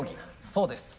そうです。